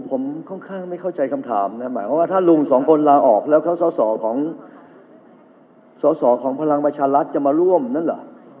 ผมค่อนข้างไม่เข้าใจคำถามนะถ้าลุงสองคนลาออกแล้วส่อของพลังประชาลัศน์จะมาร่วมนั่นเหรอ